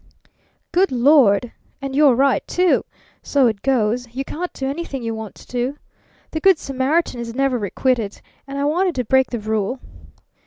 "Good Lord! And you're right, too! So it goes. You can't do anything you want to do. The good Samaritan is never requited; and I wanted to break the rule.